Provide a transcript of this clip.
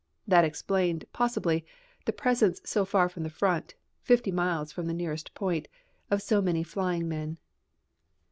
That explained, possibly, the presence so far from the front fifty miles from the nearest point of so many flying men.